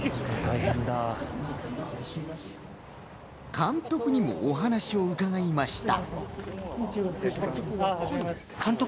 監督にもお話を伺いました。